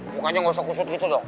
bukannya gak usah kusut gitu dong